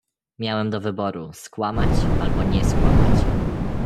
"Miałem do wyboru skłamać albo nie skłamać."